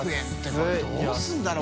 これどうするんだろう？